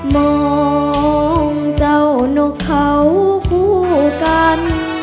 มองเจ้านกเขาคู่กัน